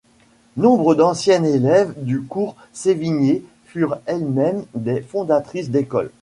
Nombre d'anciennes élèves du cours Sévigné furent elles-mêmes des fondatrices d'école.